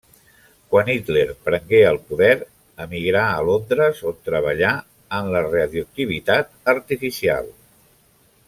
Quan Hitler prengué el poder emigrà a Londres on treballà en la radioactivitat artificial.